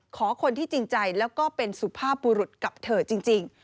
คนที่จริงใจแล้วก็เป็นสุภาพบุรุษกับเธอจริง